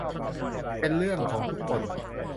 เป็นเรื่องของทุกคน